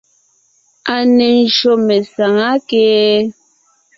A ne ńjÿô mesàŋá kee?